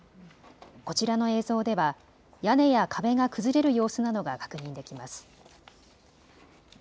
こちらの映像では屋根や壁が崩れる様子などが確認できます。